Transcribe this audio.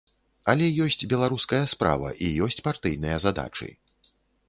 Але ёсць беларуская справа, і ёсць партыйныя задачы.